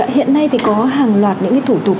hiện nay thì có hàng loạt những thủ tục